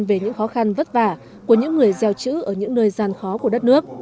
về những khó khăn vất vả của những người gieo chữ ở những nơi gian khó của đất nước